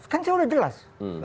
kan saya udah jelas